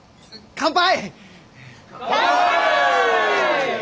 乾杯。